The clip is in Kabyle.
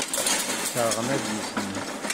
Sserɣent adlis-nni.